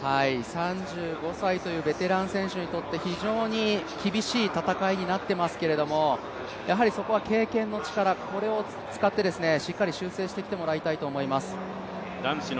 ３５歳というベテラン選手にとっては、非常に厳しい戦いになっていますけれども、ここは経験を使ってしっかり修正してきてほしいと思います。